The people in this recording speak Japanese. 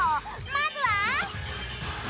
まずは。